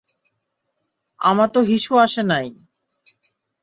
আমা তো হিসু আসে নাই।